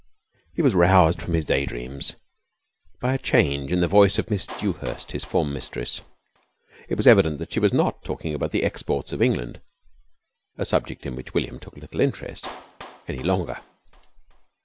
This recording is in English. He was roused from his day dreams by a change in the voice of Miss Dewhurst, his form mistress. It was evident that she was not talking about the exports of England (a subject in which William took little interest) any longer.